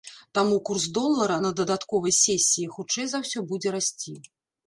Таму курс долара на дадатковай сесіі, хутчэй за ўсё, будзе расці.